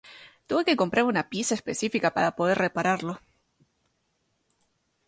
Tuve que comprar una pieza específica para poder repararlo.